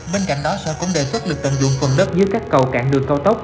bên cạnh đó sở cũng đề xuất lực tận dụng phần đất dưới các cầu cạn đường cao tốc